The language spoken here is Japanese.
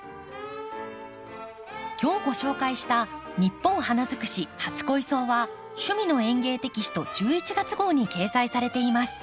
今日ご紹介した「ニッポン花づくし初恋草」は「趣味の園芸」テキスト１１月号に掲載されています。